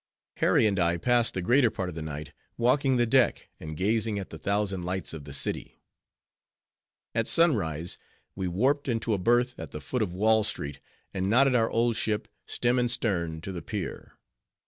Harry and I passed the greater part of the night walking the deck, and gazing at the thousand lights of the city. At sunrise, we warped into a berth at the foot of Wall street, and knotted our old ship, stem and stern, to the pier.